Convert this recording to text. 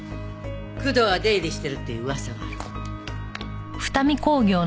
工藤が出入りしてるっていう噂があるの。